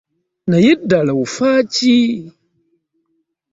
Naye ddala offa ki?